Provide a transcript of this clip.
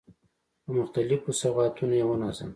په مختلفو سوغاتونو يې ونازاوه.